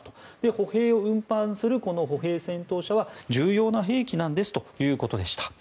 歩兵を運搬する歩兵戦闘車は重要な兵器なんですということでした。